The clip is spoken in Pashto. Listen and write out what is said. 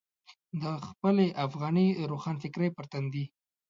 د خپلې افغاني روښانفکرۍ پر تندي.